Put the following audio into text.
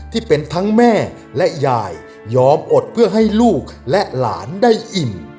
ที่เป็นทั้งแม่และยายยอมอดเพื่อให้ลูกและหลานได้อิ่ม